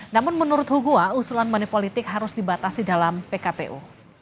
namun menurut hugoa usulan manipolitik harus dibatasi dalam pkpu